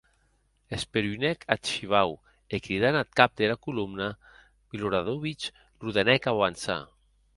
Esperonèc ath shivau e cridant ath cap dera colomna, Miloradovic, l’ordenèc auançar.